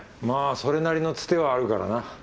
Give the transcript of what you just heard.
まぁそれなりのツテはあるからな。